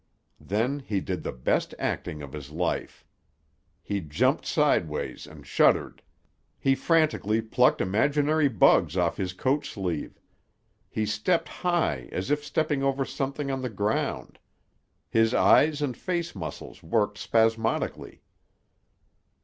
Then he did the best acting of his life. He jumped sideways and shuddered; he frantically plucked imaginary bugs off his coat sleeve; he stepped high as if stepping over something on the ground; his eyes and face muscles worked spasmodically.